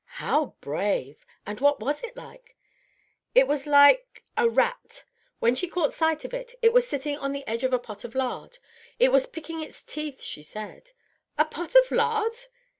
"How brave! And what was it like?" "It was like a rat! When she caught sight of it, it was sitting on the edge of a pot of lard. It was picking its teeth, she said." "A pot of lard!"